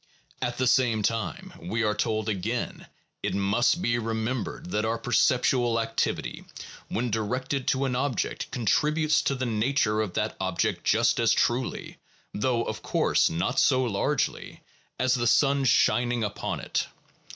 At the same time, we are told again, it must be remembered that our perceptual ac tivity, when directed to an object, contributes to the nature of that object just as truly, though, of course, not so largely, as the sun's shining upon it.